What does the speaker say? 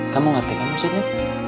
kamu ngartikan maksudnya